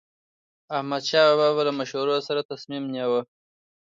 احمدشاه بابا به له مشورو سره تصمیم نیوه.